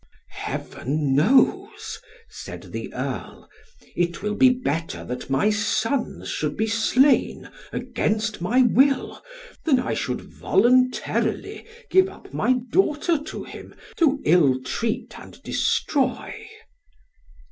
"Heaven knows," said the Earl, "it will be better that my sons should be slain, against my will, than I should voluntarily give up my daughter to him to ill treat and destroy."